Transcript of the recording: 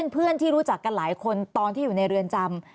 เพื่อนที่รู้จักกันหลายคนตอนที่อยู่ในเรือนจำ